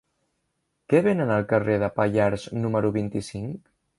Què venen al carrer de Pallars número vint-i-cinc?